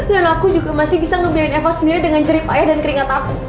dan aku juga masih bisa ngebiayain eva sendiri dengan cerip ayah dan keringat aku